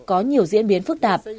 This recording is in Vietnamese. có nhiều diễn biến phức tạp